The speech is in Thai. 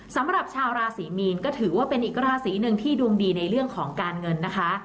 สำหรับชาวราศรีมีนก็ถือว่าเป็นอีกราศีหนึ่งที่ดวงดีในเรื่องของการเงินนะคะ